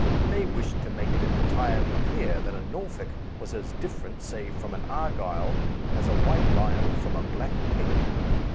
They wished to make it entirely clear that a Norfolk was as different, say, from an Argyll as a white lion from a black pig.